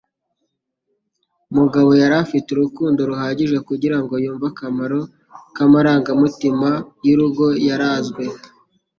Mugabo yari afite urukundo ruhagije kugirango yumve akamaro k'amarangamutima y'urugo yarazwe.